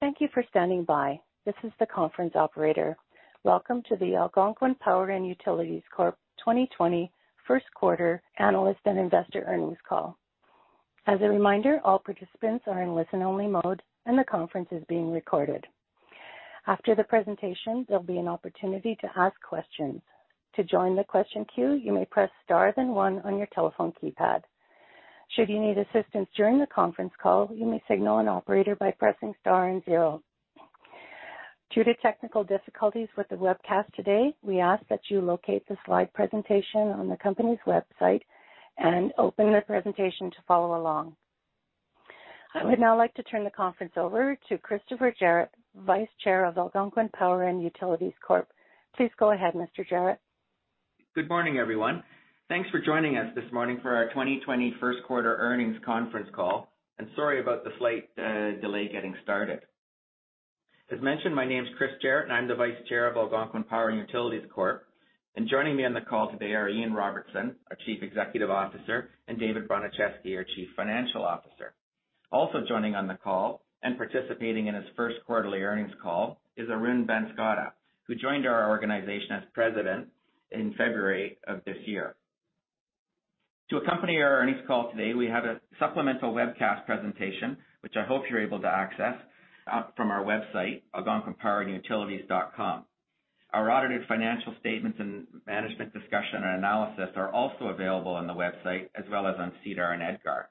Thank you for standing by. This is the conference operator. Welcome to the Algonquin Power & Utilities Corp. 2020 first quarter analyst and investor earnings call. As a reminder, all participants are in listen-only mode, and the conference is being recorded. After the presentation, there will be an opportunity to ask questions. To join the question queue, you may press star then one on your telephone keypad. Should you need assistance during the conference call, you may signal an operator by pressing star and zero. Due to technical difficulties with the webcast today, we ask that you locate the slide presentation on the company's website and open the presentation to follow along. I would now like to turn the conference over to Christopher Jarratt, Vice Chair of Algonquin Power & Utilities Corp. Please go ahead, Mr. Jarratt. Good morning, everyone. Thanks for joining us this morning for our 2020 first quarter earnings conference call. Sorry about the slight delay getting started. As mentioned, my name's Chris Jarratt and I'm the Vice Chair of Algonquin Power & Utilities Corp. Joining me on the call today are Ian Robertson, our Chief Executive Officer, and David Bronicheski, our Chief Financial Officer. Also joining on the call and participating in his first quarterly earnings call is Arun Banskota, who joined our organization as President in February of this year. To accompany our earnings call today, we have a supplemental webcast presentation, which I hope you're able to access, from our website, algonquinpowerandutilities.com. Our audited financial statements and management discussion and analysis are also available on the website as well as on SEDAR and EDGAR.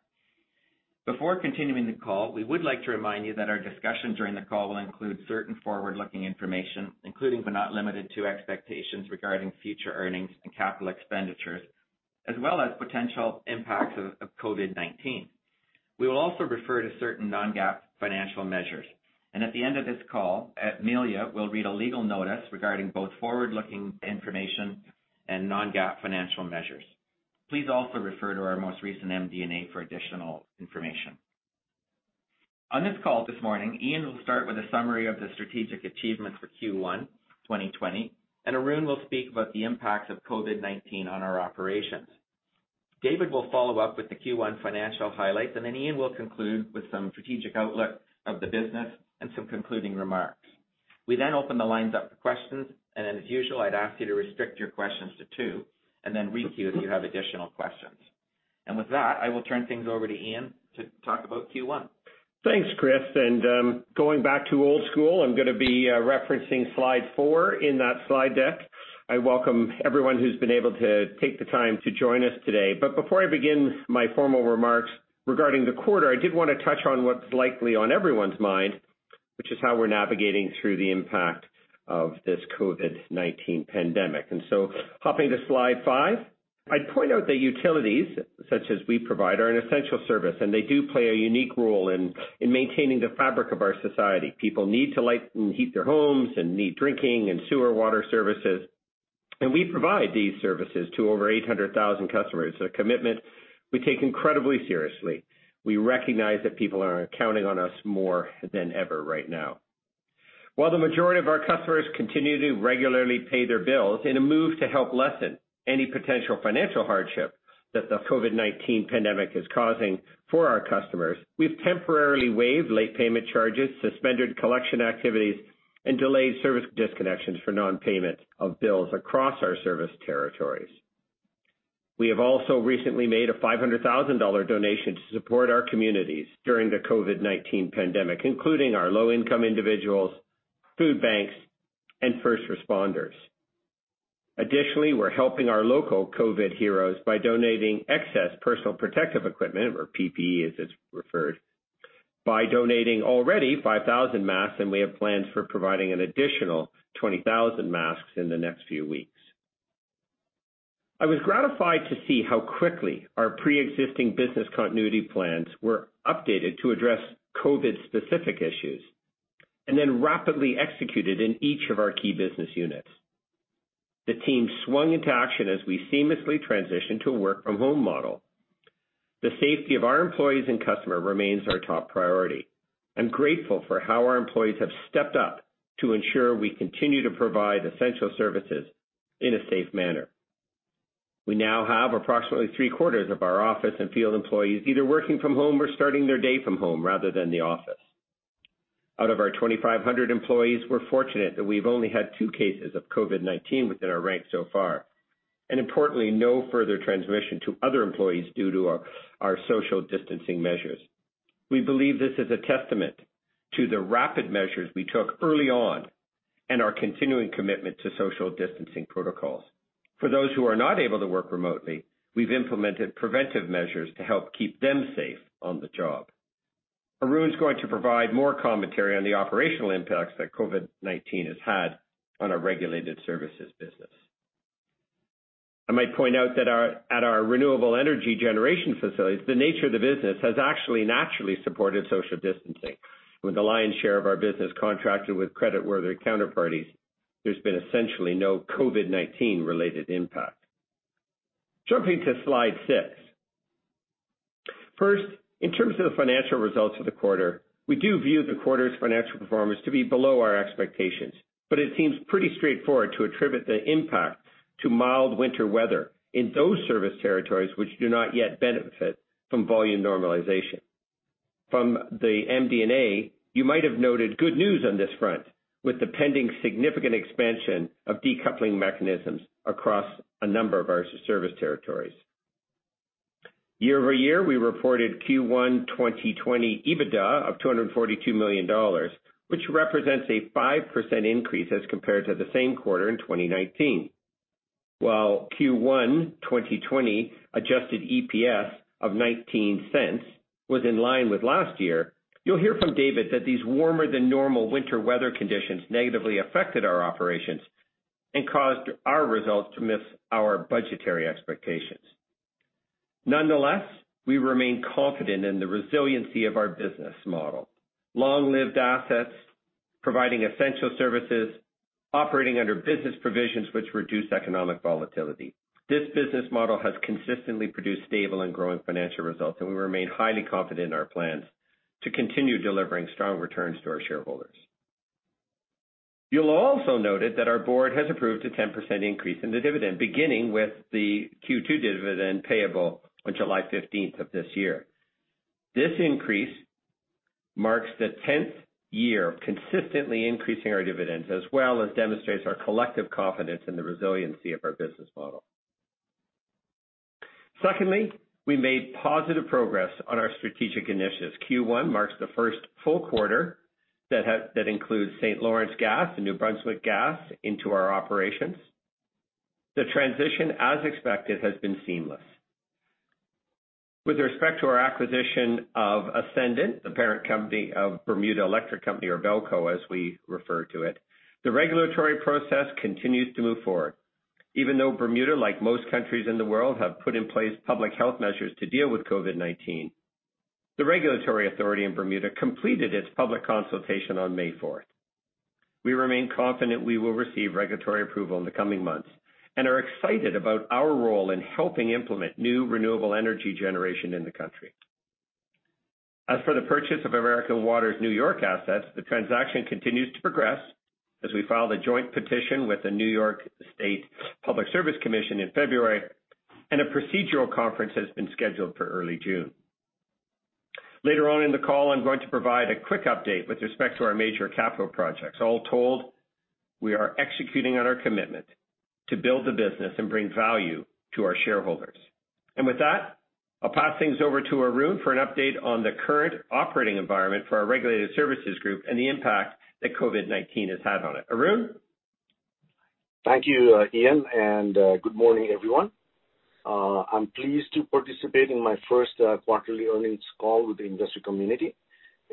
Before continuing the call, we would like to remind you that our discussion during the call will include certain forward-looking information, including but not limited to expectations regarding future earnings and capital expenditures, as well as potential impacts of COVID-19. We will also refer to certain non-GAAP financial measures. At the end of this call, Amelia will read a legal notice regarding both forward-looking information and non-GAAP financial measures. Please also refer to our most recent MD&A for additional information. On this call this morning, Ian will start with a summary of the strategic achievements for Q1 2020, and Arun will speak about the impacts of COVID-19 on our operations. David will follow up with the Q1 financial highlights, and then Ian will conclude with some strategic outlook of the business and some concluding remarks. We open the lines up for questions. As usual, I'd ask you to restrict your questions to two. Then re-queue if you have additional questions. With that, I will turn things over to Ian to talk about Q1. Thanks, Chris, going back to old school, I'm going to be referencing slide four in that slide deck. I welcome everyone who's been able to take the time to join us today. Before I begin my formal remarks regarding the quarter, I did want to touch on what's likely on everyone's mind, which is how we're navigating through the impact of this COVID-19 pandemic. Hopping to slide five, I'd point out that utilities such as we provide are an essential service, and they do play a unique role in maintaining the fabric of our society. People need to light and heat their homes and need drinking and sewer water services. We provide these services to over 800,000 customers, a commitment we take incredibly seriously. We recognize that people are counting on us more than ever right now. While the majority of our customers continue to regularly pay their bills, in a move to help lessen any potential financial hardship that the COVID-19 pandemic is causing for our customers, we've temporarily waived late payment charges, suspended collection activities, and delayed service disconnections for non-payment of bills across our service territories. We have also recently made a $500,000 donation to support our communities during the COVID-19 pandemic, including our low-income individuals, food banks, and first responders. Additionally, we're helping our local COVID heroes by donating excess personal protective equipment, or PPE as it's referred, by donating already 5,000 masks, and we have plans for providing an additional 20,000 masks in the next few weeks. I was gratified to see how quickly our preexisting business continuity plans were updated to address COVID-specific issues and then rapidly executed in each of our key business units. The team swung into action as we seamlessly transitioned to a work-from-home model. The safety of our employees and customer remains our top priority. I'm grateful for how our employees have stepped up to ensure we continue to provide essential services in a safe manner. We now have approximately three-quarters of our office and field employees either working from home or starting their day from home rather than the office. Out of our 2,500 employees, we're fortunate that we've only had two cases of COVID-19 within our ranks so far, and importantly, no further transmission to other employees due to our social distancing measures. We believe this is a testament to the rapid measures we took early on and our continuing commitment to social distancing protocols. For those who are not able to work remotely, we've implemented preventive measures to help keep them safe on the job. Arun's going to provide more commentary on the operational impacts that COVID-19 has had on our regulated services business. I might point out that at our renewable energy generation facilities, the nature of the business has actually naturally supported social distancing. With the lion's share of our business contracted with creditworthy counterparties, there's been essentially no COVID-19-related impact. Jumping to slide six. First, in terms of the financial results of the quarter, we do view the quarter's financial performance to be below our expectations, but it seems pretty straightforward to attribute the impact to mild winter weather in those service territories which do not yet benefit from volume normalization. From the MD&A, you might have noted good news on this front, with the pending significant expansion of decoupling mechanisms across a number of our service territories. Year-over-year, we reported Q1 2020 EBITDA of $242 million, which represents a 5% increase as compared to the same quarter in 2019. While Q1 2020 adjusted EPS of $0.19 was in line with last year, you'll hear from David that these warmer-than-normal winter weather conditions negatively affected our operations and caused our results to miss our budgetary expectations. Nonetheless, we remain confident in the resiliency of our business model. Long-lived assets, providing essential services, operating under business provisions which reduce economic volatility. This business model has consistently produced stable and growing financial results, and we remain highly confident in our plans to continue delivering strong returns to our shareholders. You'll also notice that our board has approved a 10% increase in the dividend, beginning with the Q2 dividend payable on July 15th of this year. This increase marks the 10th year of consistently increasing our dividends, as well as demonstrates our collective confidence in the resiliency of our business model. We made positive progress on our strategic initiatives. Q1 marks the first full quarter that includes St. Lawrence Gas and New Brunswick Gas into our operations. The transition, as expected, has been seamless. With respect to our acquisition of Ascendant, the parent company of Bermuda Electric Light Company, or BELCO as we refer to it, the regulatory process continues to move forward. Even though Bermuda, like most countries in the world, have put in place public health measures to deal with COVID-19, the regulatory authority in Bermuda completed its public consultation on May 4th. We remain confident we will receive regulatory approval in the coming months and are excited about our role in helping implement new renewable energy generation in the country. As for the purchase of American Water’s New York assets, the transaction continues to progress as we filed a joint petition with the New York State Public Service Commission in February. A procedural conference has been scheduled for early June. Later on in the call, I'm going to provide a quick update with respect to our major capital projects. All told, we are executing on our commitment to build the business and bring value to our shareholders. With that, I'll pass things over to Arun for an update on the current operating environment for our regulated services group and the impact that COVID-19 has had on it. Arun? Thank you, Ian. Good morning, everyone. I'm pleased to participate in my first quarterly earnings call with the investor community,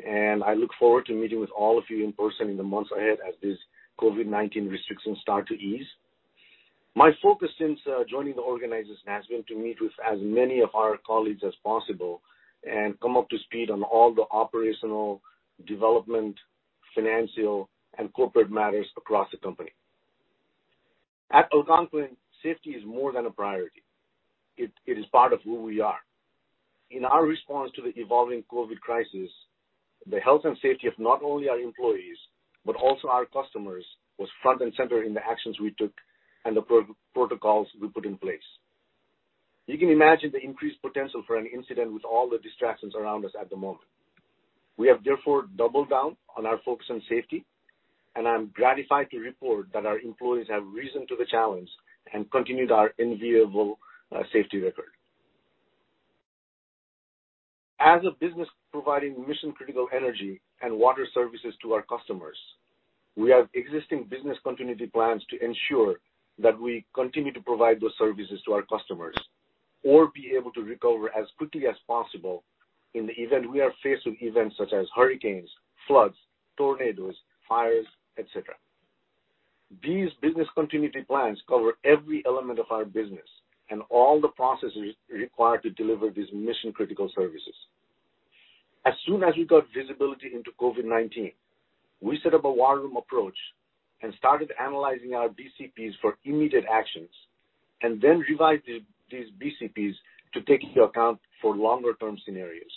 and I look forward to meeting with all of you in person in the months ahead as these COVID-19 restrictions start to ease. My focus since joining Algonquin has been to meet with as many of our colleagues as possible and come up to speed on all the operational, development, financial, and corporate matters across the company. At Algonquin, safety is more than a priority. It is part of who we are. In our response to the evolving COVID crisis, the health and safety of not only our employees, but also our customers, was front and center in the actions we took and the protocols we put in place. You can imagine the increased potential for an incident with all the distractions around us at the moment. We have therefore doubled down on our focus on safety, and I'm gratified to report that our employees have risen to the challenge and continued our enviable safety record. As a business providing mission-critical energy and water services to our customers, we have existing business continuity plans to ensure that we continue to provide those services to our customers or be able to recover as quickly as possible in the event we are faced with events such as hurricanes, floods, tornadoes, fires, et cetera. These business continuity plans cover every element of our business and all the processes required to deliver these mission-critical services. As soon as we got visibility into COVID-19, we set up a war room approach and started analyzing our BCPs for immediate actions, and then revised these BCPs to take into account for longer-term scenarios.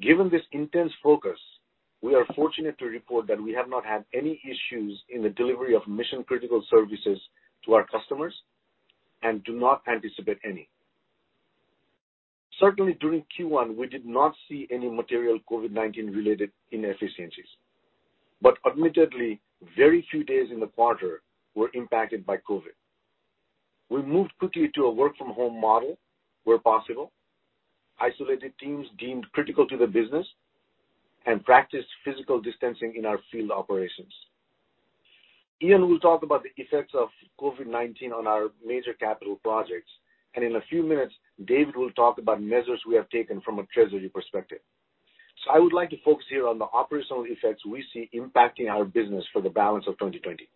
Given this intense focus, we are fortunate to report that we have not had any issues in the delivery of mission-critical services to our customers and do not anticipate any. Certainly, during Q1, we did not see any material COVID-19-related inefficiencies, but admittedly, very few days in the quarter were impacted by COVID. We moved quickly to a work-from-home model where possible, isolated teams deemed critical to the business, and practiced physical distancing in our field operations. Ian will talk about the effects of COVID-19 on our major capital projects, and in a few minutes, David will talk about measures we have taken from a treasury perspective. I would like to focus here on the operational effects we see impacting our business for the balance of 2020.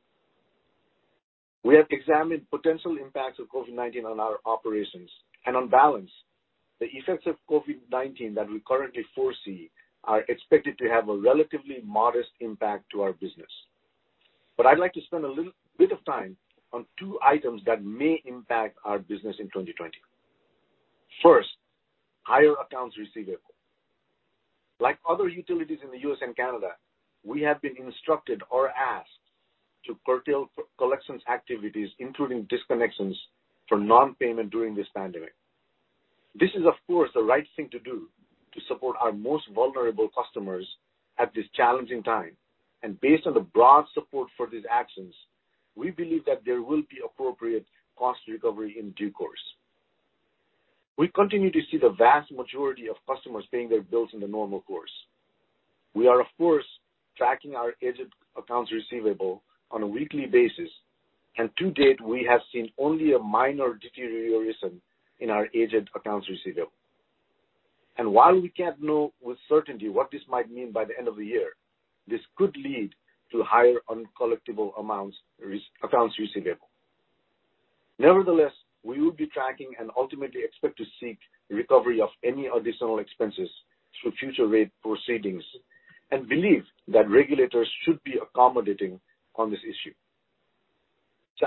We have examined potential impacts of COVID-19 on our operations, and on balance, the effects of COVID-19 that we currently foresee are expected to have a relatively modest impact to our business. I'd like to spend a little bit of time on two items that may impact our business in 2020. First, higher accounts receivable. Like other utilities in the U.S. and Canada, we have been instructed or asked to curtail collections activities, including disconnections for non-payment during this pandemic. This is, of course, the right thing to do to support our most vulnerable customers at this challenging time. Based on the broad support for these actions, we believe that there will be appropriate cost recovery in due course. We continue to see the vast majority of customers paying their bills in the normal course. We are, of course, tracking our aged accounts receivable on a weekly basis. To date, we have seen only a minor deterioration in our aged accounts receivable. While we can't know with certainty what this might mean by the end of the year, this could lead to higher uncollectible amounts, accounts receivable. Nevertheless, we would be tracking and ultimately expect to seek recovery of any additional expenses through future rate proceedings and believe that regulators should be accommodating on this issue.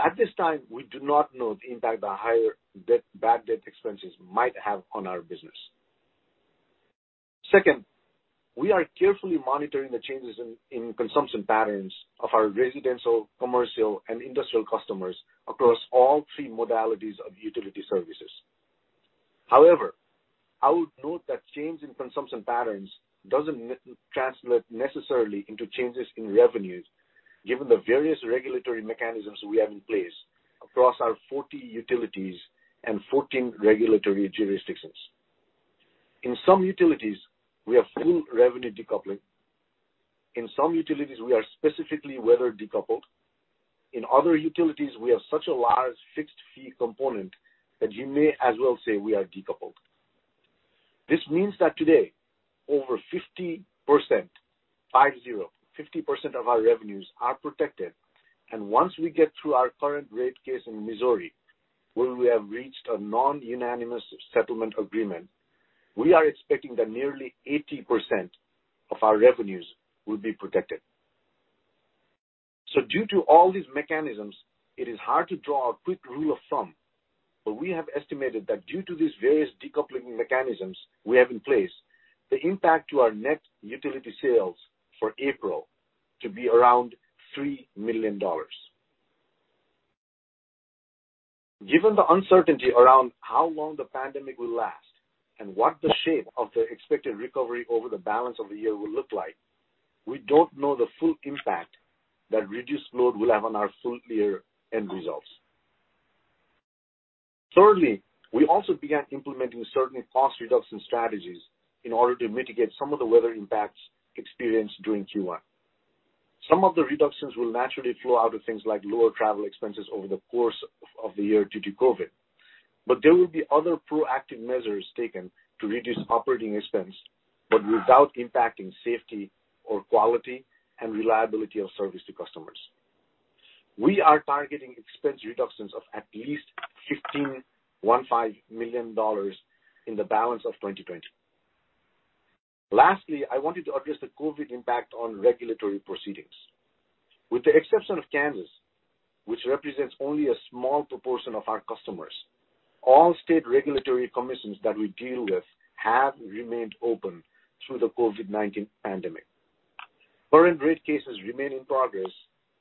At this time, we do not know the impact the higher bad debt expenses might have on our business. Second, we are carefully monitoring the changes in consumption patterns of our residential, commercial, and industrial customers across all three modalities of utility services. However, I would note that change in consumption patterns doesn't translate necessarily into changes in revenues given the various regulatory mechanisms we have in place across our 40 utilities and 14 regulatory jurisdictions. In some utilities, we have full revenue decoupling. In some utilities, we are specifically weather decoupled. In other utilities, we have such a large fixed-fee component that you may as well say we are decoupled. This means that today, over 50%, five, zero, 50% of our revenues are protected. Once we get through our current rate case in Missouri, where we have reached a non-unanimous settlement agreement, we are expecting that nearly 80% of our revenues will be protected. Due to all these mechanisms, it is hard to draw a quick rule of thumb. We have estimated that due to these various decoupling mechanisms we have in place, the impact to our net utility sales for April to be around $3 million. Given the uncertainty around how long the pandemic will last and what the shape of the expected recovery over the balance of the year will look like, we don't know the full impact that reduced load will have on our full-year end results. Thirdly, we also began implementing certain cost reduction strategies in order to mitigate some of the weather impacts experienced during Q1. Some of the reductions will naturally flow out of things like lower travel expenses over the course of the year due to COVID. There will be other proactive measures taken to reduce operating expense, but without impacting safety or quality and reliability of service to customers. We are targeting expense reductions of at least $15 million in the balance of 2020. Lastly, I wanted to address the COVID impact on regulatory proceedings. With the exception of Kansas, which represents only a small proportion of our customers, all state regulatory commissions that we deal with have remained open through the COVID-19 pandemic. Current rate cases remain in progress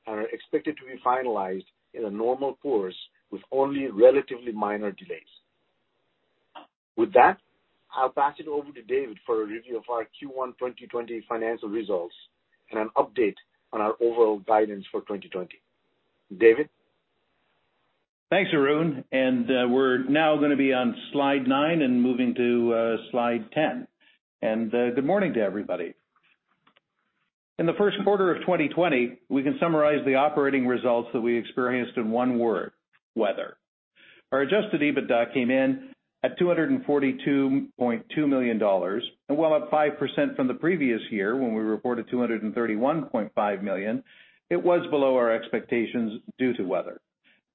and are expected to be finalized in a normal course with only relatively minor delays. With that, I'll pass it over to David for a review of our Q1 2020 financial results and an update on our overall guidance for 2020. David? Thanks, Arun. We're now going to be on slide nine and moving to slide 10. Good morning to everybody. In the first quarter of 2020, we can summarize the operating results that we experienced in one word, weather. Our adjusted EBITDA came in at $242.2 million. While up 5% from the previous year, when we reported $231.5 million, it was below our expectations due to weather.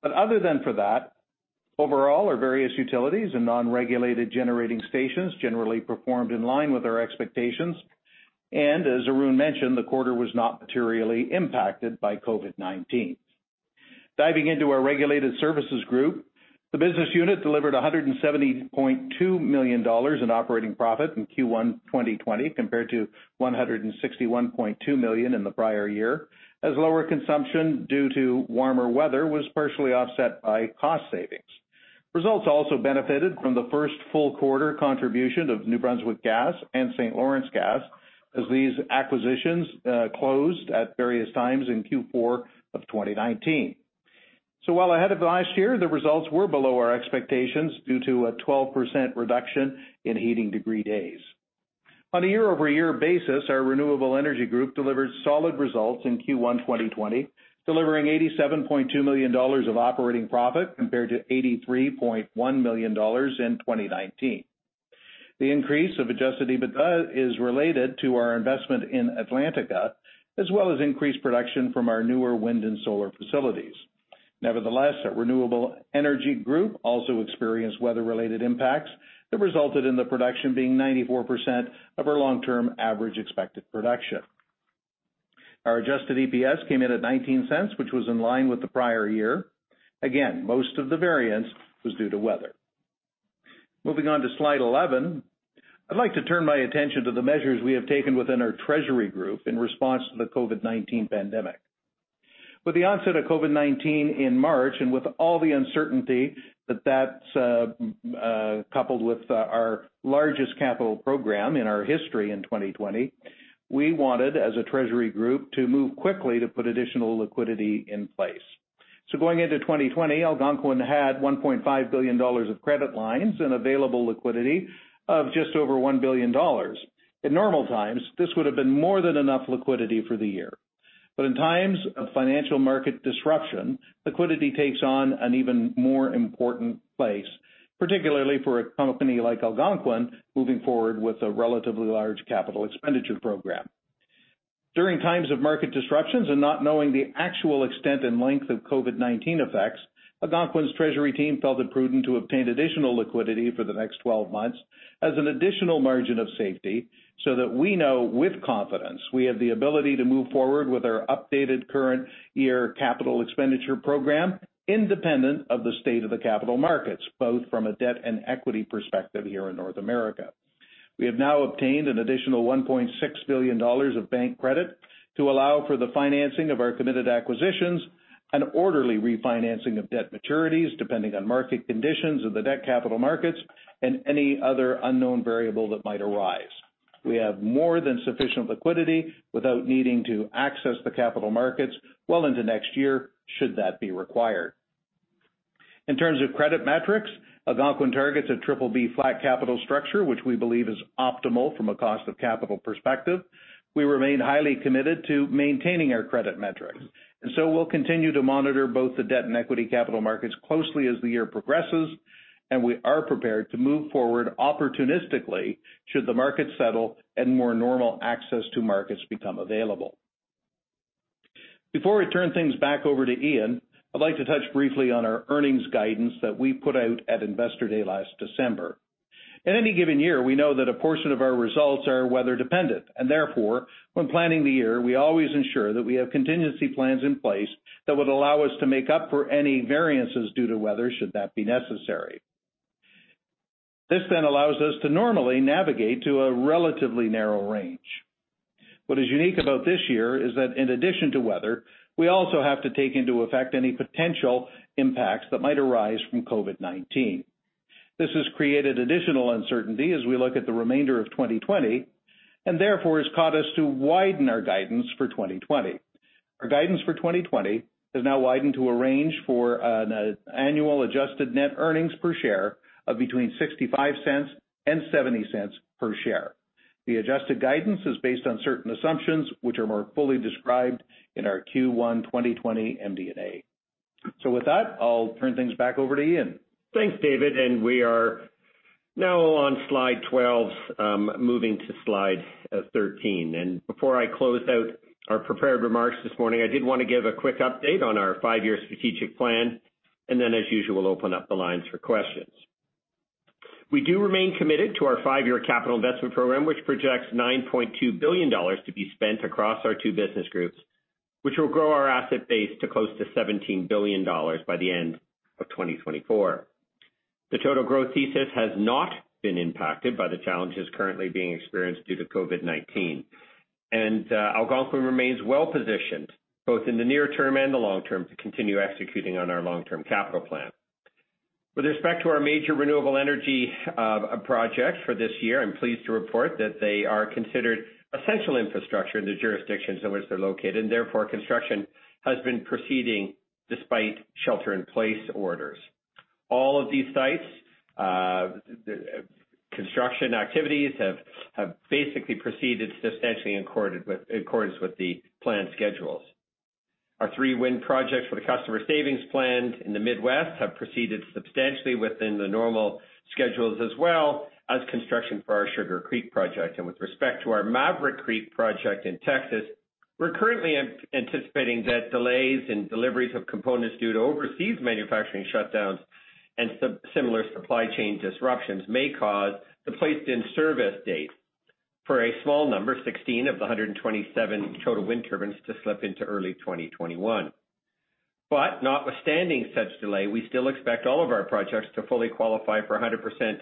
Other than for that, overall, our various utilities and non-regulated generating stations generally performed in line with our expectations. As Arun mentioned, the quarter was not materially impacted by COVID-19. Diving into our regulated services group, the business unit delivered $170.2 million in operating profit in Q1 2020, compared to $161.2 million in the prior year, as lower consumption due to warmer weather was partially offset by cost savings. Results also benefited from the first full quarter contribution of New Brunswick Gas and St. Lawrence Gas as these acquisitions closed at various times in Q4 2019. While ahead of last year, the results were below our expectations due to a 12% reduction in heating degree days. On a year-over-year basis, our Renewable Energy Group delivered solid results in Q1 2020, delivering $87.2 million of operating profit compared to $83.1 million in 2019. The increase of adjusted EBITDA is related to our investment in Atlantica, as well as increased production from our newer wind and solar facilities. Nevertheless, our Renewable Energy Group also experienced weather-related impacts that resulted in the production being 94% of our long-term average expected production. Our adjusted EPS came in at $0.19, which was in line with the prior year. Again, most of the variance was due to weather. Moving on to slide 11, I'd like to turn my attention to the measures we have taken within our treasury group in response to the COVID-19 pandemic. With the onset of COVID-19 in March, with all the uncertainty that that's coupled with our largest capital program in our history in 2020, we wanted, as a treasury group, to move quickly to put additional liquidity in place. Going into 2020, Algonquin had $1.5 billion of credit lines and available liquidity of just over $1 billion. In normal times, this would have been more than enough liquidity for the year. In times of financial market disruption, liquidity takes on an even more important place, particularly for a company like Algonquin moving forward with a relatively large capital expenditure program. During times of market disruptions and not knowing the actual extent and length of COVID-19 effects, Algonquin's treasury team felt it prudent to obtain additional liquidity for the next 12 months as an additional margin of safety, so that we know with confidence we have the ability to move forward with our updated current year capital expenditure program independent of the state of the capital markets, both from a debt and equity perspective here in North America. We have now obtained an additional $1.6 billion of bank credit to allow for the financing of our committed acquisitions and orderly refinancing of debt maturities, depending on market conditions of the debt capital markets and any other unknown variable that might arise. We have more than sufficient liquidity without needing to access the capital markets well into next year, should that be required. In terms of credit metrics, Algonquin targets a BBB flat capital structure, which we believe is optimal from a cost of capital perspective. We remain highly committed to maintaining our credit metrics, and so we'll continue to monitor both the debt and equity capital markets closely as the year progresses, and we are prepared to move forward opportunistically should the markets settle and more normal access to markets become available. Before I turn things back over to Ian, I'd like to touch briefly on our earnings guidance that we put out at Investor Day last December. At any given year, we know that a portion of our results are weather-dependent, and therefore, when planning the year, we always ensure that we have contingency plans in place that would allow us to make up for any variances due to weather should that be necessary. This allows us to normally navigate to a relatively narrow range. What is unique about this year is that in addition to weather, we also have to take into effect any potential impacts that might arise from COVID-19. This has created additional uncertainty as we look at the remainder of 2020, therefore has caused us to widen our guidance for 2020. Our guidance for 2020 has now widened to a range for an annual adjusted net earnings per share of between $0.65 and $0.70 per share. The adjusted guidance is based on certain assumptions which are more fully described in our Q1 2020 MD&A. With that, I'll turn things back over to Ian. Thanks, David, we are now on slide 12. Moving to slide 13. Before I close out our prepared remarks this morning, I did want to give a quick update on our five-year strategic plan, and then, as usual, open up the lines for questions. We do remain committed to our five-year capital investment program, which projects $9.2 billion to be spent across our two business groups, which will grow our asset base to close to $17 billion by the end of 2024. The total growth thesis has not been impacted by the challenges currently being experienced due to COVID-19. Algonquin remains well-positioned, both in the near term and the long term, to continue executing on our long-term capital plan. With respect to our major renewable energy projects for this year, I'm pleased to report that they are considered essential infrastructure in the jurisdictions in which they're located. Therefore, construction has been proceeding despite shelter-in-place orders. All of these sites, construction activities have basically proceeded substantially in accordance with the planned schedules. Our three wind projects for the Customer Savings Plan in the Midwest have proceeded substantially within the normal schedules as well as construction for our Sugar Creek project. With respect to our Maverick Creek project in Texas, we're currently anticipating that delays in deliveries of components due to overseas manufacturing shutdowns and similar supply chain disruptions may cause the placed-in-service date for a small number, 16 of the 127 total wind turbines to slip into early 2021. Notwithstanding such delay, we still expect all of our projects to fully qualify for 100%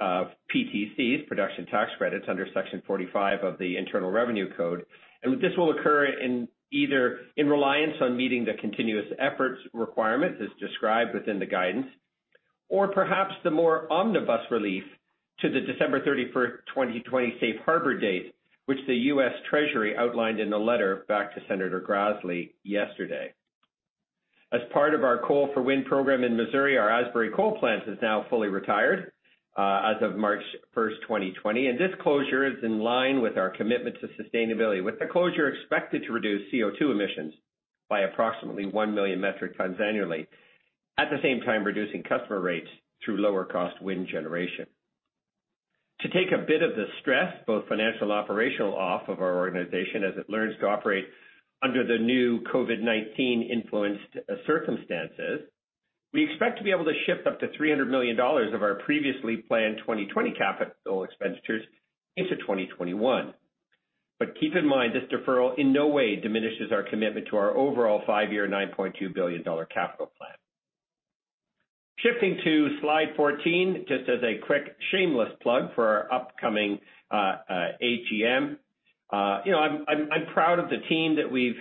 of PTCs, Production Tax Credits under Section 45 of the Internal Revenue Code. This will occur in either in reliance on meeting the continuous efforts requirements as described within the guidance, or perhaps the more omnibus relief to the December 31st, 2020 safe harbor date, which the U.S. Treasury outlined in a letter back to Senator Grassley yesterday. As part of our Coal to Wind program in Missouri, our Asbury coal plant is now fully retired as of March 1st, 2020. This closure is in line with our commitment to sustainability, with the closure expected to reduce CO2 emissions by approximately 1 million metric tons annually, at the same time reducing customer rates through lower-cost wind generation. To take a bit of the stress, both financial operational off of our organization as it learns to operate under the new COVID-19 influenced circumstances. We expect to be able to shift up to $300 million of our previously planned 2020 capital expenditures into 2021. Keep in mind, this deferral in no way diminishes our commitment to our overall five year $9.2 billion capital plan. Shifting to slide 14, just as a quick shameless plug for our upcoming AGM. I'm proud of the team that we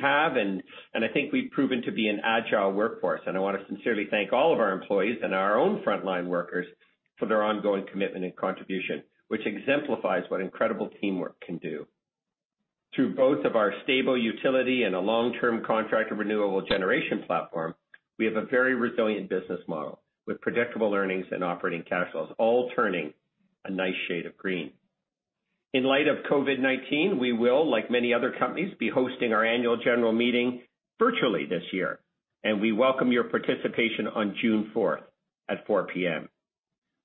have, and I think we've proven to be an agile workforce, and I want to sincerely thank all of our employees and our own frontline workers for their ongoing commitment and contribution, which exemplifies what incredible teamwork can do. Through both of our stable utility and a long-term contract of renewable generation platform, we have a very resilient business model with predictable earnings and operating cash flows all turning a nice shade of green. In light of COVID-19, we will, like many other companies, be hosting our annual general meeting virtually this year, and we welcome your participation on June 4th at 4:00 P.M.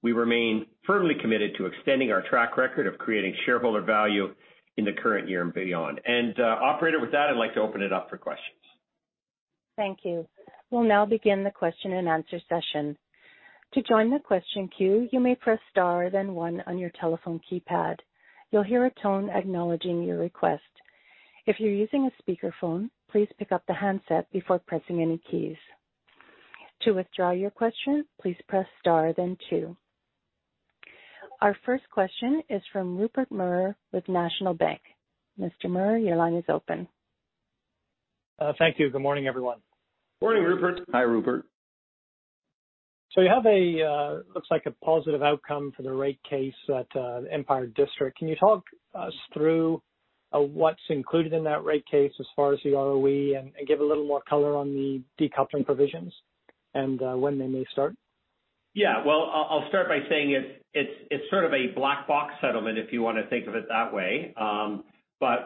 We remain firmly committed to extending our track record of creating shareholder value in the current year and beyond. Operator, with that, I'd like to open it up for questions. Thank you. We'll now begin the question and answer session. To join the question queue, you may press star then one on your telephone keypad. You'll hear a tone acknowledging your request. If you're using a speakerphone, please pick up the handset before pressing any keys. To withdraw your question, please press star then two. Our first question is from Rupert Merer with National Bank. Mr. Merer, your line is open. Thank you. Good morning, everyone. Morning, Rupert. Hi, Rupert. Looks like a positive outcome for the rate case at Empire District. Can you talk us through what's included in that rate case as far as the ROE and give a little more color on the decoupling provisions and when they may start? Well, I'll start by saying it's sort of a black box settlement, if you want to think of it that way.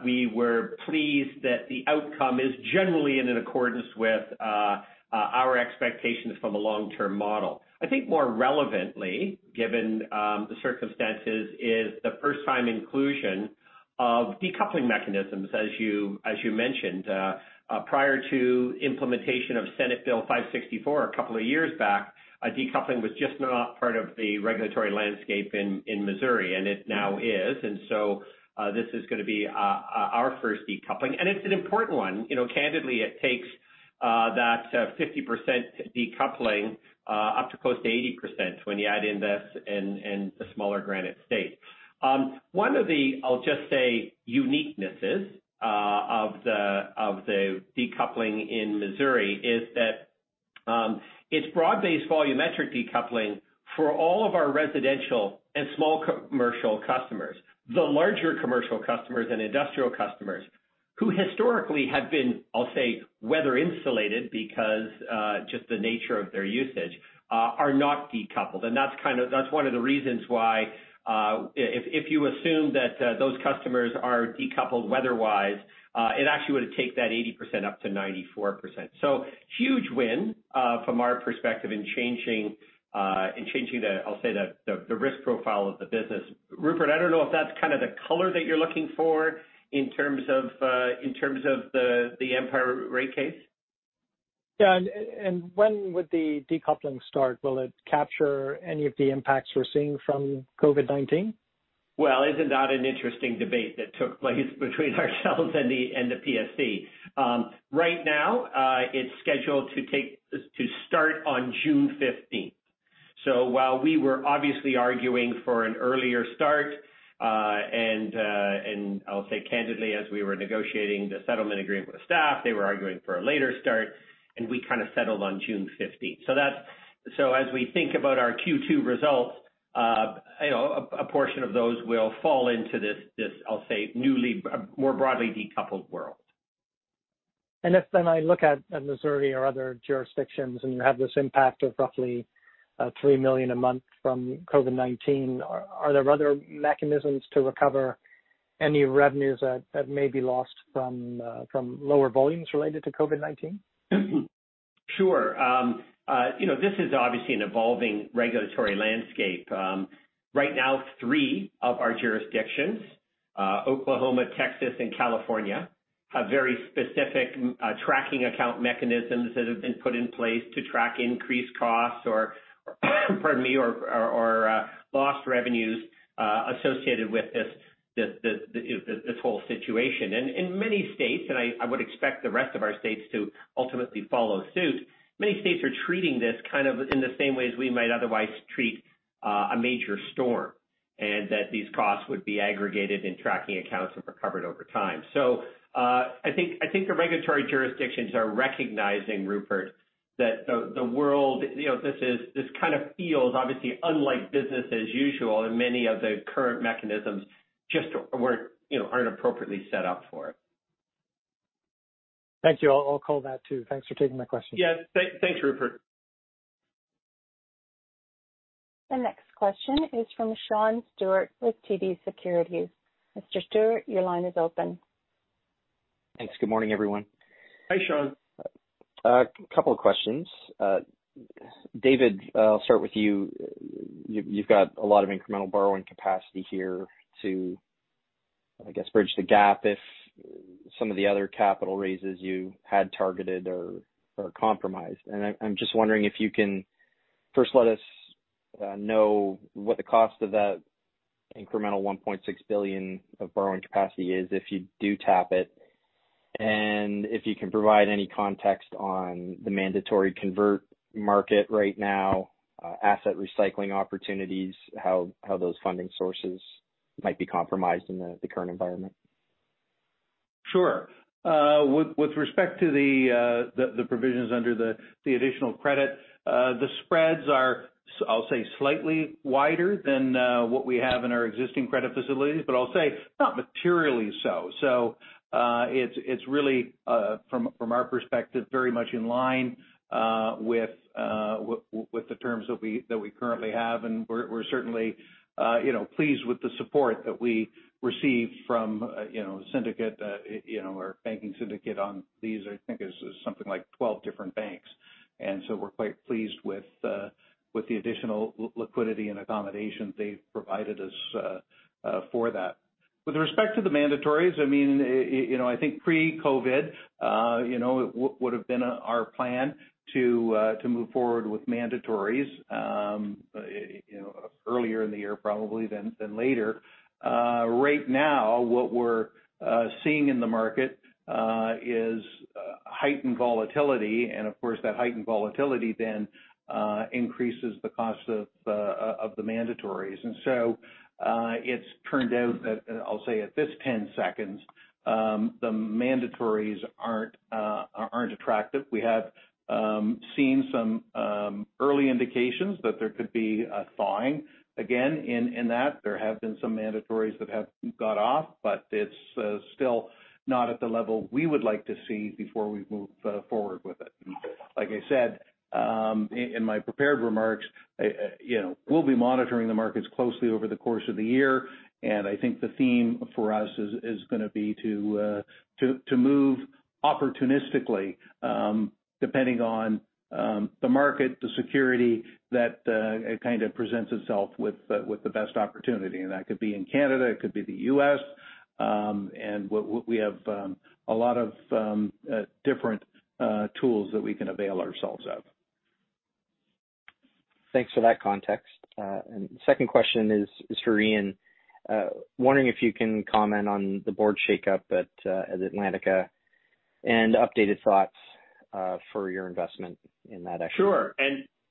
We were pleased that the outcome is generally in accordance with our expectations from a long-term model. I think more relevantly, given the circumstances, is the first-time inclusion of decoupling mechanisms, as you mentioned. Prior to implementation of Senate Bill 564 a couple of years back, decoupling was just not part of the regulatory landscape in Missouri, and it now is. This is going to be our first decoupling. It's an important one. Candidly, it takes that 50% decoupling up to close to 80% when you add in this and the smaller Granite State. One of the, I'll just say, uniquenesses of the decoupling in Missouri is that it's broad-based volumetric decoupling for all of our residential and small commercial customers. The larger commercial customers and industrial customers who historically have been, I'll say, weather insulated because just the nature of their usage, are not decoupled. That's one of the reasons why, if you assume that those customers are decoupled weather-wise, it actually would take that 80% up to 94%. Huge win from our perspective in changing the, I'll say, the risk profile of the business. Rupert, I don't know if that's kind of the color that you're looking for in terms of the Empire rate case. Yeah, when would the decoupling start? Will it capture any of the impacts we're seeing from COVID-19? Isn't that an interesting debate that took place between ourselves and the PSC. Right now, it's scheduled to start on June 15th. While we were obviously arguing for an earlier start, and I'll say candidly, as we were negotiating the settlement agreement with staff, they were arguing for a later start, and we kind of settled on June 15th. As we think about our Q2 results, a portion of those will fall into this, I'll say, newly, more broadly decoupled world. If I look at Missouri or other jurisdictions, and you have this impact of roughly $3 million a month from COVID-19, are there other mechanisms to recover any revenues that may be lost from lower volumes related to COVID-19? Sure. This is obviously an evolving regulatory landscape. Right now, three of our jurisdictions, Oklahoma, Texas, and California, have very specific tracking account mechanisms that have been put in place to track increased costs or pardon me, or lost revenues associated with this whole situation. In many states, and I would expect the rest of our states to ultimately follow suit. Many states are treating this kind of in the same way as we might otherwise treat a major storm, and that these costs would be aggregated in tracking accounts and recovered over time. I think the regulatory jurisdictions are recognizing, Rupert, this kind of feels, obviously, unlike business as usual, and many of the current mechanisms just aren't appropriately set up for it. Thank you. I'll call that, too. Thanks for taking my question. Yeah. Thanks, Rupert. The next question is from Sean Steuart with TD Securities. Mr. Steuart, your line is open. Thanks. Good morning, everyone. Hi, Sean. A couple of questions. David, I'll start with you. You've got a lot of incremental borrowing capacity here to, I guess, bridge the gap if some of the other capital raises you had targeted are compromised. I'm just wondering if you can first let us know what the cost of that incremental $1.6 billion of borrowing capacity is if you do tap it, and if you can provide any context on the mandatory convert market right now, asset recycling opportunities, how those funding sources might be compromised in the current environment. Sure. With respect to the provisions under the additional credit, the spreads are, I'll say, slightly wider than what we have in our existing credit facilities, I'll say not materially so. It's really, from our perspective, very much in line with the terms that we currently have. We're certainly pleased with the support that we receive from our banking syndicate on these. I think there's something like 12 different banks. We're quite pleased with the additional liquidity and accommodation they've provided us for that. With respect to the mandatories, I think pre-COVID, it would have been our plan to move forward with mandatories earlier in the year probably than later. Right now, what we're seeing in the market is heightened volatility, of course, that heightened volatility then increases the cost of the mandatories. It's turned out that, I'll say at this 10 seconds, the mandatories aren't attractive. We have seen some early indications that there could be a thawing again in that. There have been some mandatories that have got off, but it's still not at the level we would like to see before we move forward with it. Like I said in my prepared remarks, we'll be monitoring the markets closely over the course of the year, and I think the theme for us is going to be to move opportunistically, depending on the market, the security, that kind of presents itself with the best opportunity. That could be in Canada, it could be the U.S. We have a lot of different tools that we can avail ourselves of. Thanks for that context. Second question is for Ian. Wondering if you can comment on the board shakeup at Atlantica and updated thoughts for your investment in that actually. Sure.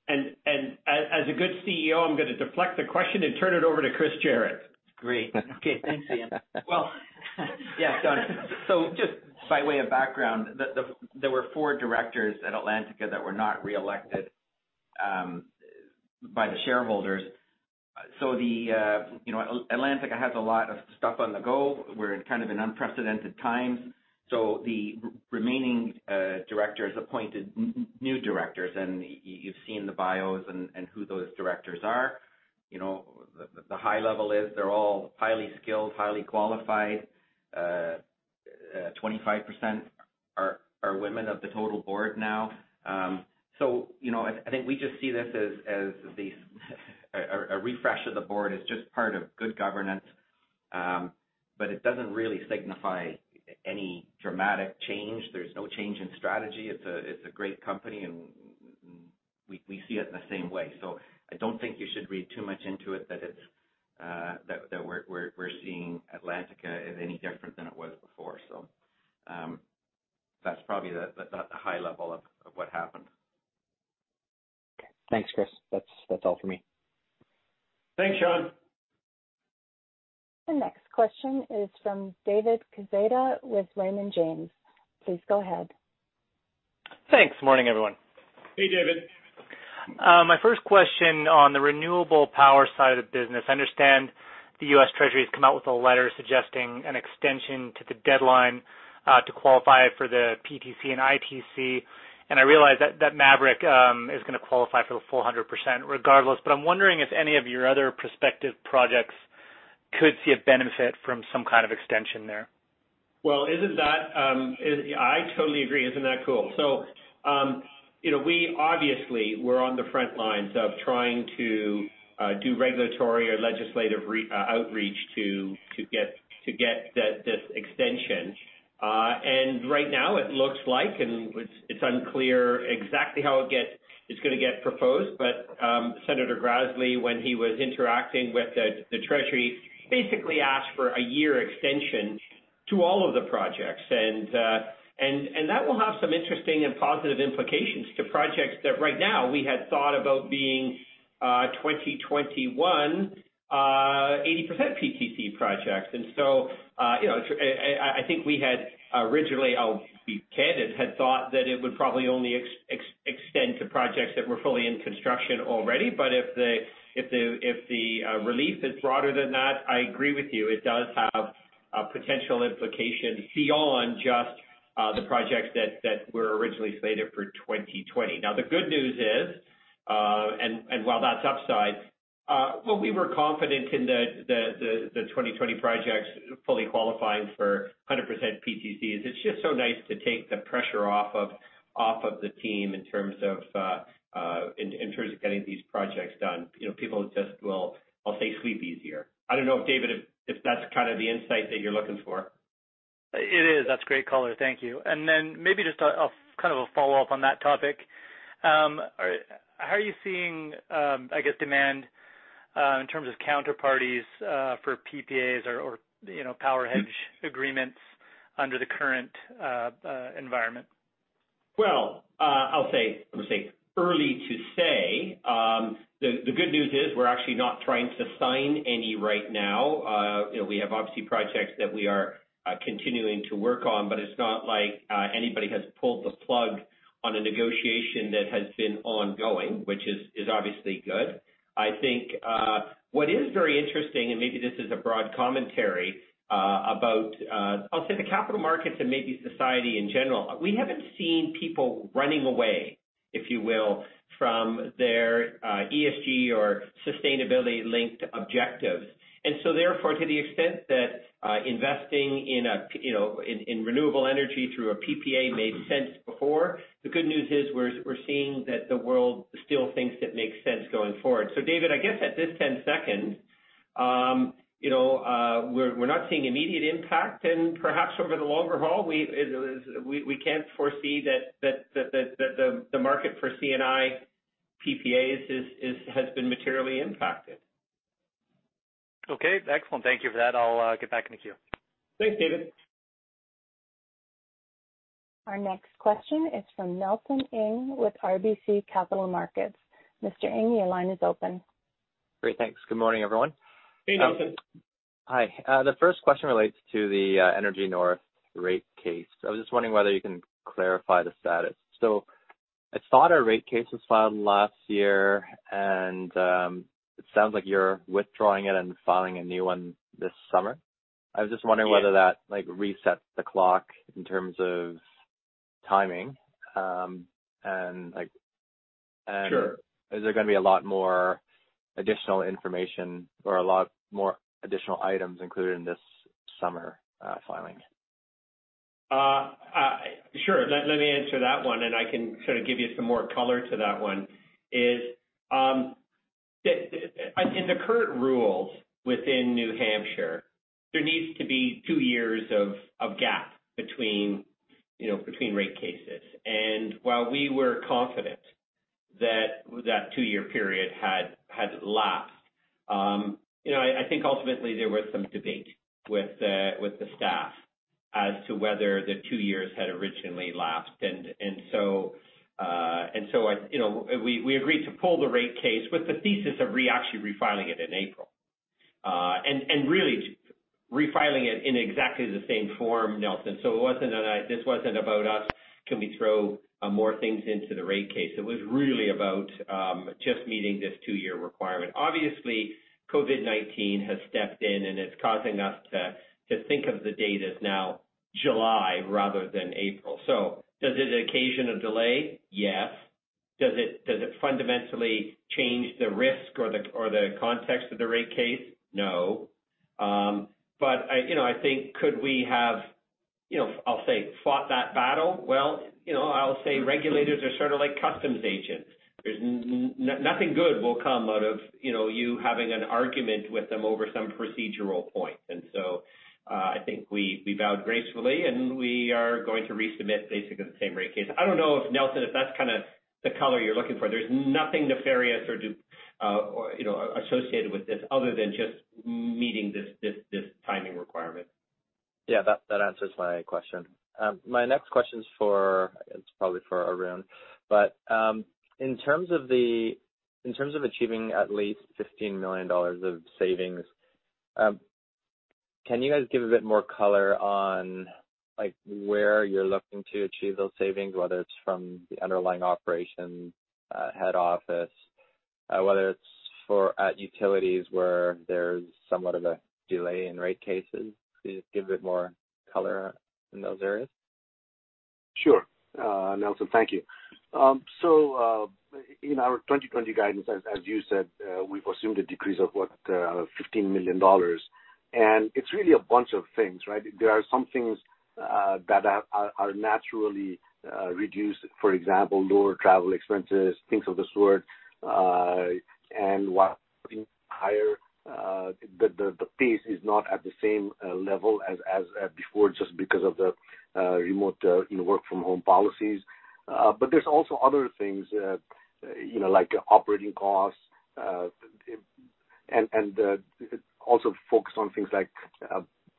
As a good CEO, I'm going to deflect the question and turn it over to Chris Jarratt. Great. Okay, thanks, Ian. Yeah, just by way of background, there were four directors at Atlantica that were not re-elected by the shareholders. Atlantica has a lot of stuff on the go. We're in kind of an unprecedented time. The remaining directors appointed new directors, and you've seen the bios and who those directors are. The high level is they're all highly skilled, highly qualified. 25% are women of the total board now. I think we just see this as a refresh of the board, as just part of good governance. It doesn't really signify any dramatic change. There's no change in strategy. It's a great company, and we see it the same way. I don't think you should read too much into it, that we're seeing Atlantica as any different than it was before. That's probably the high level of what happened. Okay. Thanks, Chris. That's all for me. Thanks, Sean. The next question is from David Quezada with Raymond James. Please go ahead. Thanks. Morning, everyone. Hey, David. My first question on the renewable power side of the business. I understand the U.S. Treasury has come out with a letter suggesting an extension to the deadline to qualify for the PTC and ITC. I realize that Maverick is going to qualify for the 400% regardless, but I'm wondering if any of your other prospective projects could see a benefit from some kind of extension there. Well, I totally agree. Isn't that cool? We obviously, we're on the front lines of trying to do regulatory or legislative outreach to get this extension. Right now it looks like, and it's unclear exactly how it's going to get proposed, but Senator Grassley, when he was interacting with the Treasury, basically asked for a year extension to all of the projects. That will have some interesting and positive implications to projects that right now we had thought about being 2021 80% PTC projects. I think we had originally, I'll be candid, had thought that it would probably only extend to projects that were fully in construction already. If the relief is broader than that, I agree with you. It does have a potential implication beyond just the projects that were originally slated for 2020. Now, the good news is. Well, we were confident in the 2020 projects fully qualifying for 100% PTCs. It's just so nice to take the pressure off of the team in terms of getting these projects done. People just will, I'll say, sleep easier. I don't know, David, if that's the insight that you're looking for. It is. That's great color. Thank you. Maybe just a follow-up on that topic. How are you seeing demand in terms of counterparties for PPAs or power hedge agreements under the current environment? Well, I'll say early to say. The good news is we're actually not trying to sign any right now. We have obviously projects that we are continuing to work on, but it's not like anybody has pulled the plug on a negotiation that has been ongoing, which is obviously good. I think what is very interesting, and maybe this is a broad commentary about, I'll say, the capital markets and maybe society in general. We haven't seen people running away, if you will, from their ESG or sustainability-linked objectives. Therefore, to the extent that investing in renewable energy through a PPA made sense before, the good news is we're seeing that the world still thinks it makes sense going forward. David, I guess at this 10-year, we're not seeing immediate impact and perhaps over the longer haul, we can't foresee that the market for C&I PPAs has been materially impacted. Okay, excellent. Thank you for that. I'll get back in the queue. Thanks, David. Our next question is from Nelson Ng with RBC Capital Markets. Mr. Ng, your line is open. Great. Thanks. Good morning, everyone. Hey, Nelson. Hi. The first question relates to the EnergyNorth rate case. I was just wondering whether you can clarify the status. I thought a rate case was filed last year, and it sounds like you're withdrawing it and filing a new one this summer. Yes Whether that resets the clock in terms of timing. Sure Is there going to be a lot more additional information or a lot more additional items included in this summer filing? Sure. Let me answer that one, and I can sort of give you some more color to that one. In the current rules within New Hampshire, there needs to be two years of gap between rate cases. While we were confident that that two-year period had lapsed, I think ultimately there was some debate with the staff as to whether the two years had originally lapsed. We agreed to pull the rate case with the thesis of actually refiling it in April. Really refiling it in exactly the same form, Nelson. This wasn't about us, can we throw more things into the rate case? It was really about just meeting this two-year requirement. Obviously, COVID-19 has stepped in, and it's causing us to think of the date as now July rather than April. Does it occasion a delay? Yes. Does it fundamentally change the risk or the context of the rate case? No. I think could we have, I'll say, fought that battle? Well, I'll say regulators are sort of like customs agents. Nothing good will come out of you having an argument with them over some procedural point. I think we bowed gracefully, and we are going to resubmit basically the same rate case. I don't know, Nelson, if that's the color you're looking for. There's nothing nefarious or associated with this other than just meeting this timing requirement. Yeah, that answers my question. My next question is probably for Arun. In terms of achieving at least $15 million of savings, can you guys give a bit more color on where you're looking to achieve those savings, whether it's from the underlying operations head office? Whether it's at utilities where there's somewhat of a delay in rate cases? Can you just give a bit more color in those areas? Sure. Nelson, thank you. In our 2020 guidance, as you said, we've assumed a decrease of what? $15 million. It's really a bunch of things, right? There are some things that are naturally reduced. For example, lower travel expenses, things of the sort. While being higher, the pace is not at the same level as before, just because of the remote work-from-home policies. There's also other things like operating costs, and also focus on things like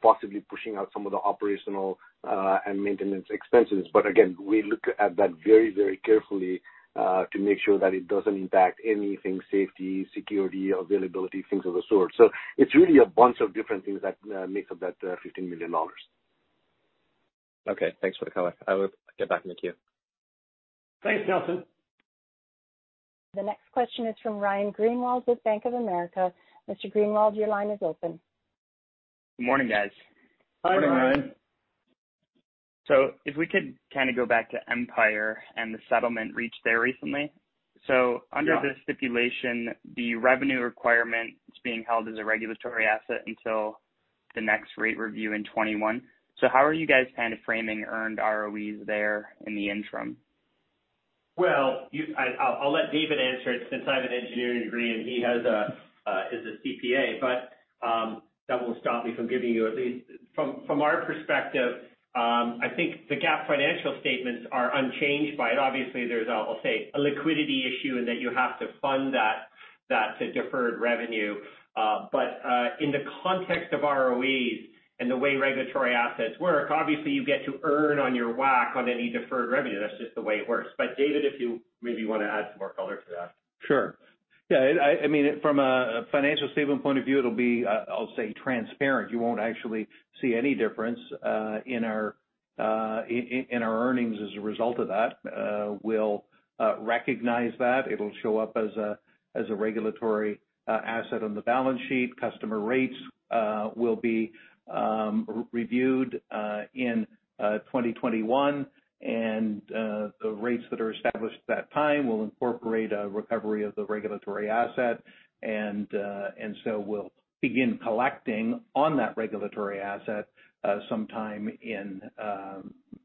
possibly pushing out some of the operational and maintenance expenses. Again, we look at that very carefully to make sure that it doesn't impact anything, safety, security, availability, things of the sort. It's really a bunch of different things that make up that $15 million. Okay, thanks for the color. I will get back in the queue. Thanks, Nelson. The next question is from Ryan Greenwald with Bank of America. Mr. Greenwald, your line is open. Good morning, guys. Hi, Ryan. If we could go back to Empire and the settlement reached there recently. Yeah Under the stipulation, the revenue requirement is being held as a regulatory asset until the next rate review in 2021. How are you guys framing earned ROEs there in the interim? Well, I'll let David answer it since I have an engineering degree and he is a CPA. That won't stop me from giving you at least from our perspective, I think the GAAP financial statements are unchanged by it. Obviously, there's, I'll say, a liquidity issue in that you have to fund that to deferred revenue. In the context of ROEs and the way regulatory assets work, obviously, you get to earn on your WACC on any deferred revenue. That's just the way it works. David, if you maybe want to add some more color to that. Sure. Yeah, from a financial statement point of view, it'll be, I'll say, transparent. You won't actually see any difference in our earnings as a result of that. We'll recognize that. It'll show up as a regulatory asset on the balance sheet. Customer rates will be reviewed in 2021. The rates that are established at that time will incorporate a recovery of the regulatory asset. We'll begin collecting on that regulatory asset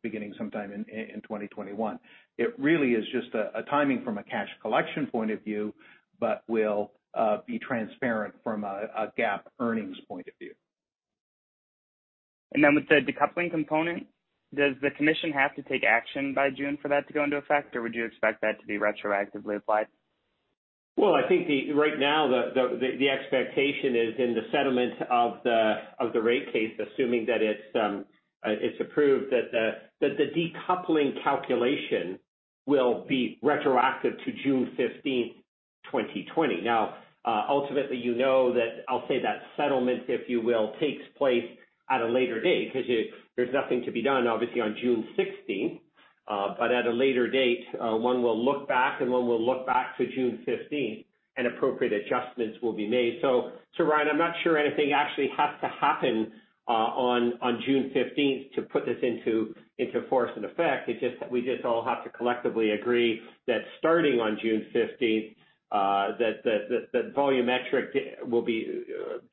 beginning sometime in 2021. It really is just a timing from a cash collection point of view, but will be transparent from a GAAP earnings point of view. With the decoupling component, does the commission have to take action by June for that to go into effect? Would you expect that to be retroactively applied? Well, I think right now, the expectation is in the settlement of the rate case, assuming that it's approved, that the decoupling calculation will be retroactive to June 15th, 2020. Ultimately, you know that, I'll say, that settlement, if you will, takes place at a later date because there's nothing to be done, obviously, on June 16th. At a later date, one will look back, and one will look back to June 15th, and appropriate adjustments will be made. Ryan, I'm not sure anything actually has to happen on June 15th to put this into force and effect. We just all have to collectively agree that starting on June 15th, that the volumetric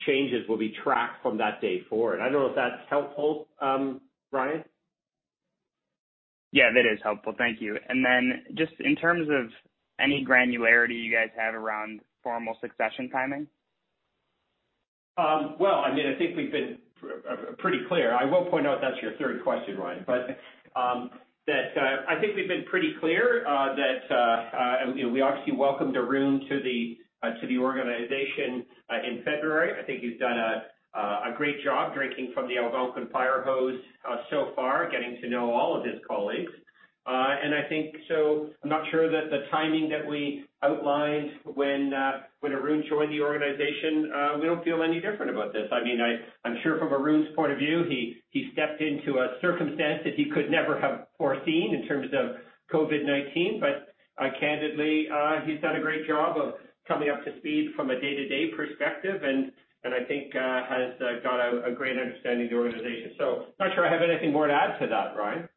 changes will be tracked from that day forward. I don't know if that's helpful, Ryan. Yeah, that is helpful. Thank you. Then just in terms of any granularity you guys have around formal succession timing? Well, I think we've been pretty clear. I will point out that's your third question, Ryan. I think we've been pretty clear that we obviously welcomed Arun to the organization in February. I think he's done a great job drinking from the Algonquin fire hose so far, getting to know all of his colleagues. I'm not sure that the timing that we outlined when Arun joined the organization, we don't feel any different about this. I'm sure from Arun's point of view, he stepped into a circumstance that he could never have foreseen in terms of COVID-19. Candidly, he's done a great job of coming up to speed from a day-to-day perspective, and I think has got a great understanding of the organization. I'm not sure I have anything more to add to that, Ryan.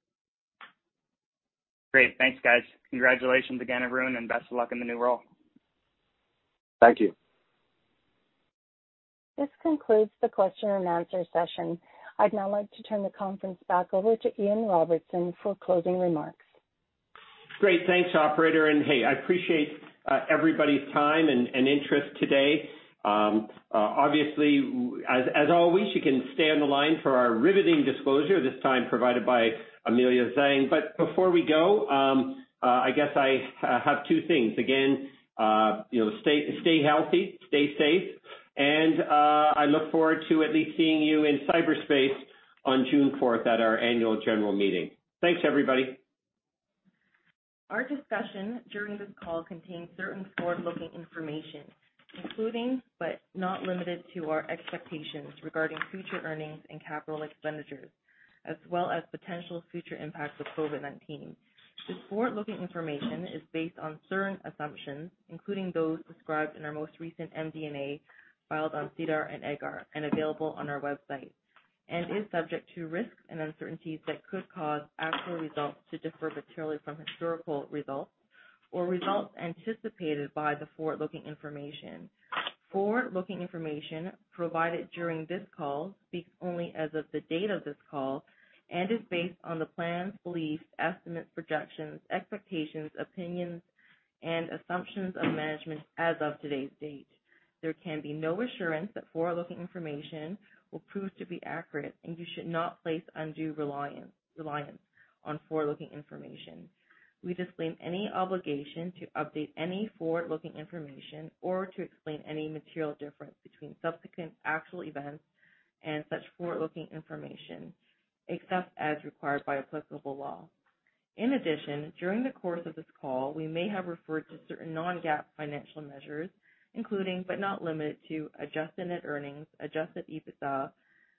Great. Thanks, guys. Congratulations again, Arun, and best of luck in the new role. Thank you. This concludes the question and answer session. I'd now like to turn the conference back over to Ian Robertson for closing remarks. Great. Thanks, operator. Hey, I appreciate everybody's time and interest today. Obviously, as always, you can stay on the line for our riveting disclosure, this time provided by Amelia Tsang. Before we go, I guess I have two things. Again, stay healthy, stay safe, and I look forward to at least seeing you in cyberspace on June 4th at our annual general meeting. Thanks, everybody. Our discussion during this call contains certain forward-looking information, including, but not limited to, our expectations regarding future earnings and capital expenditures, as well as potential future impacts of COVID-19. This forward-looking information is based on certain assumptions, including those described in our most recent MD&A filed on SEDAR and EDGAR and available on our website, and is subject to risks and uncertainties that could cause actual results to differ materially from historical results or results anticipated by the forward-looking information. Forward-looking information provided during this call speaks only as of the date of this call and is based on the plans, beliefs, estimates, projections, expectations, opinions, and assumptions of management as of today's date. There can be no assurance that forward-looking information will prove to be accurate, and you should not place undue reliance on forward-looking information. We disclaim any obligation to update any forward-looking information or to explain any material difference between subsequent actual events and such forward-looking information, except as required by applicable law. In addition, during the course of this call, we may have referred to certain non-GAAP financial measures, including, but not limited to, adjusted net earnings, adjusted EBITDA,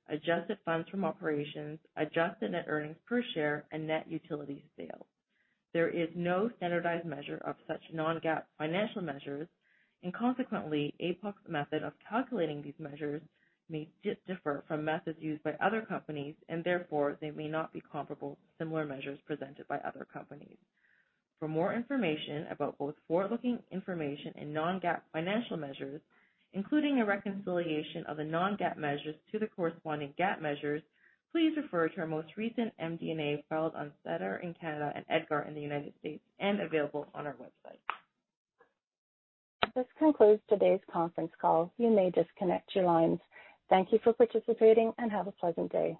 adjusted funds from operations, adjusted net earnings per share, and net utilities sales. There is no standardized measure of such non-GAAP financial measures, and consequently, APUC's method of calculating these measures may differ from methods used by other companies and therefore they may not be comparable to similar measures presented by other companies. For more information about both forward-looking information and non-GAAP financial measures, including a reconciliation of the non-GAAP measures to the corresponding GAAP measures, please refer to our most recent MD&A filed on SEDAR in Canada and EDGAR in the United States and available on our website. This concludes today's conference call. You may disconnect your lines. Thank you for participating and have a pleasant day.